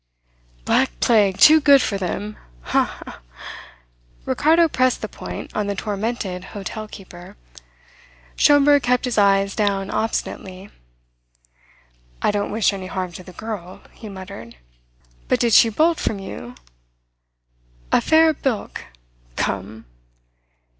"Black plague too good for them, ha, ha!" Ricardo pressed the point on the tormented hotel keeper. Schomberg kept his eyes down obstinately. "I don't wish any harm to the girl " he muttered. "But did she bolt from you? A fair bilk? Come!"